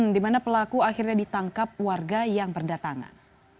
di mana pelaku akhirnya ditangkap warga yang berdatangan